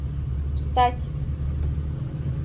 — Встать!